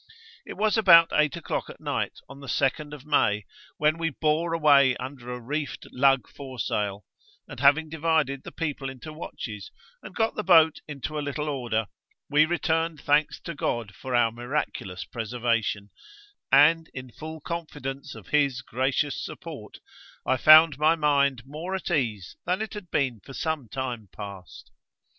It was about eight o'clock at night on the 2nd May, when we bore away under a reefed lug foresail; and having divided the people into watches, and got the boat into a little order, we returned thanks to God for our miraculous preservation, and, in full confidence of His gracious support, I found my mind more at ease than it had been for some time past.'